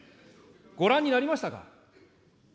ご覧になりましたか。